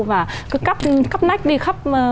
và cứ cắp nách đi khắp